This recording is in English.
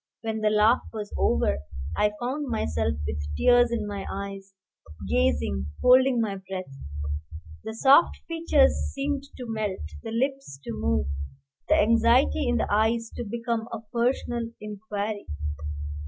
When the laugh was over, I found myself with tears in my eyes, gazing, holding my breath. The soft features seemed to melt, the lips to move, the anxiety in the eyes to become a personal inquiry.